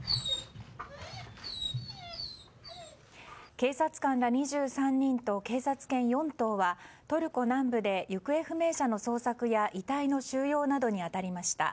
警察官ら２３人と警察犬４頭はトルコ南部で行方不明者の捜索や遺体の収容などに当たりました。